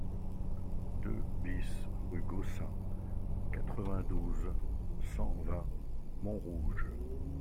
deux BIS rue Gossin, quatre-vingt-douze, cent vingt, Montrouge